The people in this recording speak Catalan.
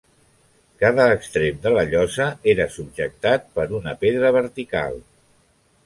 Cada extrem de la llosa era subjectat per una pedra vertical.